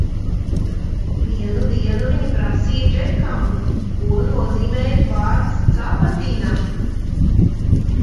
"Vienu dienu viņa prasīja Džekam, ko nozīmējot vārds "cabatina"?"